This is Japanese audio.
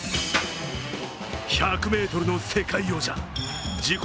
１００ｍの世界王者、自己